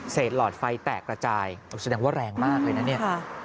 หลอดไฟแตกระจายแสดงว่าแรงมากเลยนะเนี่ย